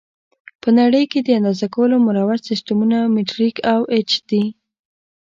په نړۍ کې د اندازه کولو مروج سیسټمونه مټریک او ایچ دي.